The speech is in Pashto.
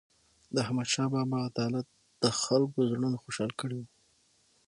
د احمدشاه بابا عدالت د خلکو زړونه خوشحال کړي وو.